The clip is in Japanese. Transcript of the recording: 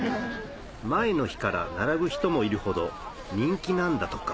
前の日から並ぶ人もいるほど人気なんだとか